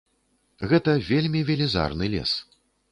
Гэта вельмі велізарны лес.